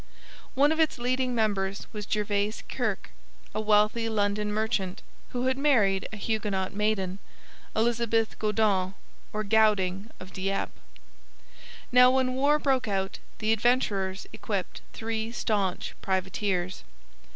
One of its leading members was Gervase Kirke, a wealthy London merchant, who had married a Huguenot maiden, Elizabeth Goudon or Gowding of Dieppe. Now when war broke out the Adventurers equipped three staunch privateers.